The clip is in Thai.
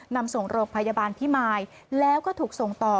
นำส่งโรงพยาบาลพิมายแล้วก็ถูกส่งต่อ